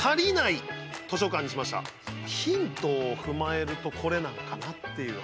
ヒントを踏まえるとこれなんかなっていう。